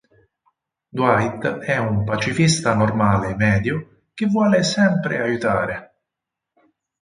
Dwight è un pacifista normale medio che vuole sempre aiutare.